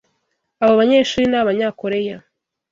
Abo banyeshuri ni Abanyakoreya.